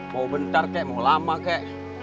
mau bentar kek mau lama kek